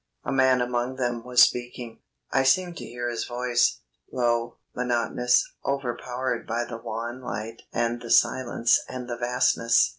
A man among them was speaking; I seemed to hear his voice, low, monotonous, overpowered by the wan light and the silence and the vastness.